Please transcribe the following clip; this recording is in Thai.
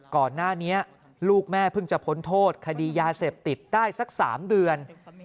ก่อนหน้านี้ลูกแม่เพิ่งจะพ้นโทษคดียาเสพติดได้สัก๓เดือน